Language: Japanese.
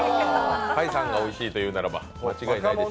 開さんがおいしいというなら、間違いないでしょう。